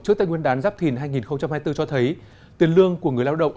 trước tên nguyên đán giáp thìn hai nghìn hai mươi bốn cho thấy tiền lương của người lao động